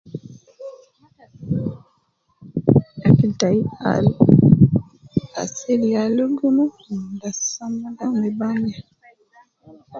Akil tai al asil ya luguma me mula samaga me bamia